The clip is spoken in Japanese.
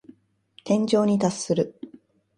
天井に達する。